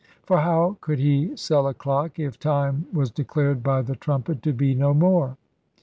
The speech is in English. For how could he sell a clock, if time was declared by the trumpet to be no more?